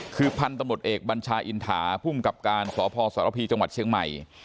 คือพันธุ์ตำรวจเอกบัญชาอินถาภูมิกับการสพสรพีจังหวัดเชียงใหม่